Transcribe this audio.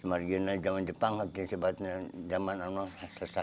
memang itu waktu jaman jepang bagi pada zaman dolong istrinya